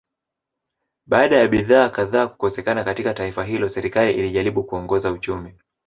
Baada ya bidhaa kadhaa kukosekana katika taifa hilo serikali ilijaribu kuongoza uchumi